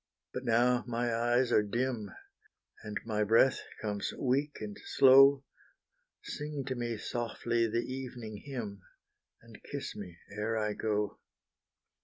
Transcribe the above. But now my eyes are dim, And my breath comes weak and slow, Sing to me softly the evening hymn, And kiss me ere I go.